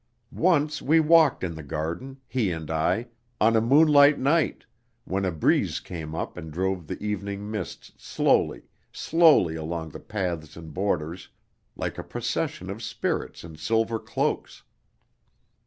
Once we walked in the garden, he and I, on a moonlight night, when a breeze came up and drove the evening mists slowly, slowly along the paths and borders like a procession of spirits in silver cloaks.